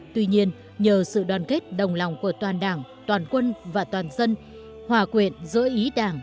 tuy nhiên nhờ sự đoàn kết đồng lòng của toàn đảng toàn quân và toàn dân hòa quyện giữa ý đảng